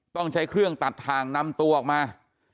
ต้องใช้เครื่องตัดทางนำตัวออกมา